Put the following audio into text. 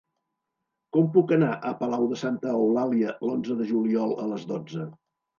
Com puc anar a Palau de Santa Eulàlia l'onze de juliol a les dotze?